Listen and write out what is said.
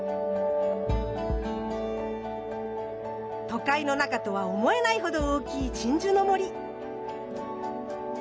都会の中とは思えないほど大きい鎮守の森。